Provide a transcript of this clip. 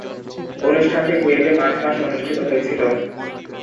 অনুষ্ঠানটি কুয়েটে মার্চ মাসে অনুষ্ঠিত হয়েছিলো।